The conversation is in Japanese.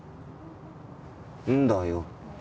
んだよ